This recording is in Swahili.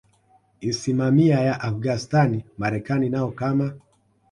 isimamia ya Afghanistan Marekani nao kama